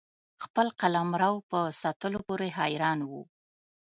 خپل قلمرو په ساتلو پوري حیران وو.